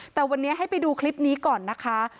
แต่วันนี้ให้ไปดูคลิปนี้ก่อนนะคะ